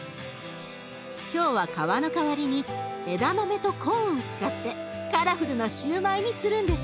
今日は皮の代わりに枝豆とコーンを使ってカラフルなシューマイにするんです。